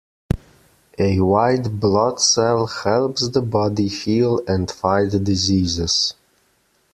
A white blood cell helps the body heal and fight diseases.